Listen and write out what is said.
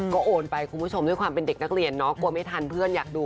ก็โอนไปคุณผู้ชมด้วยความเป็นเด็กนักเรียนเนาะกลัวไม่ทันเพื่อนอยากดู